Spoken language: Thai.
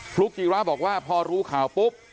พลุกอีกร้านบอกว่าพอรู้ข่าวปุ๊บ